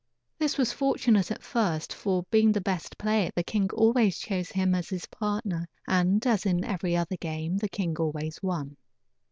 This was fortunate at first; for being the best player the king always chose him as his partner, and, as in every other game, the king always won.